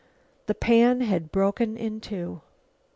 The pan had broken in two.